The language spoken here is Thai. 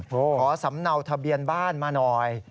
ขอสำเนาทะเบียนบ้านมาหน่อย